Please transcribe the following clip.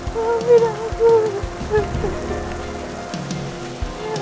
kemarin kamu enggak